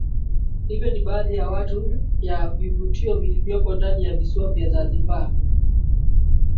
Hivyo ni baadhi ya tu ya vivutio vilivyopo ndani ya visiwa vya Zanzibar